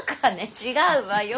違うわよ！